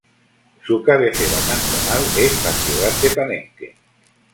Su cabecera cantonal es la ciudad de Palenque.